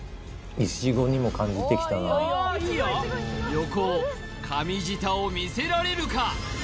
横尾神舌を見せられるか？